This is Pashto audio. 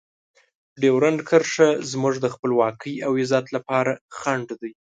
ډیورنډ کرښه زموږ د خپلواکۍ او عزت لپاره خنډ دی.